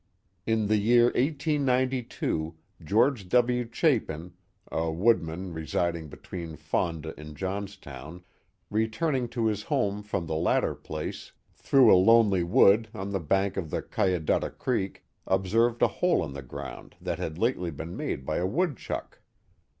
In the year 1892, George W. Chapin, a woodman residing between Fonda and Johnstown, returning to his home from the latter place through a lonely wood on the bank of the Cayudutta Creek, observed a hole in the ground that had lately been made by a woodchuck.